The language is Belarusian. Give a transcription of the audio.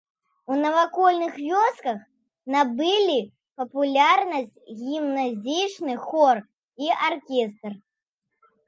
У навакольных вёсках набылі папулярнасць гімназічны хор і аркестр.